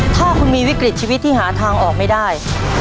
ถ้าคุณมีวิกฤตชีวิตที่หาทางออกไม่ได้